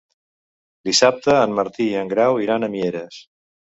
Dissabte en Martí i en Grau iran a Mieres.